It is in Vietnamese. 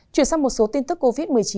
chuyển sang một số tin tức covid một mươi chín